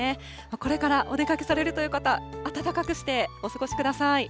これからお出かけされるという方、暖かくしてお過ごしください。